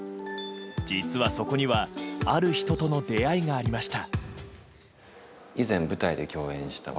実は、そこにはある人との出会いがありました。